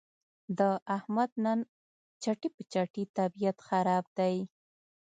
د احمد نن چټي په چټي طبیعت خراب دی.